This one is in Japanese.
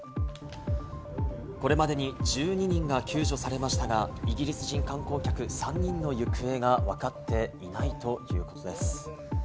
これまでに１２人が救助されましたが、イギリス人観光客３人の行方がわかっていないということです。